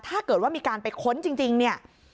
ถ้าเกิดว่ามีการไปค้นจริงเนี่ย